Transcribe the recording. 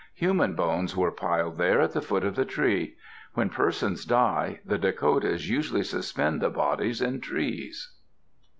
Human bones were piled there at the foot of the tree. When persons die, the Dakotas usually suspend the bodies in trees.